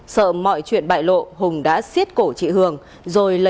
sợ mọi chuyện bại lộ hùng đã xiết cổ chị hường rồi lấy sợi dây chuyển